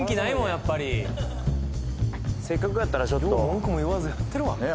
やっぱりせっかくやったらちょっとよう文句も言わずやってるわねえ